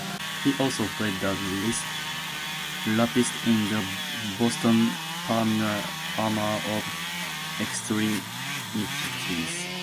He also played the rapist in the Boston premiere of "Extremities".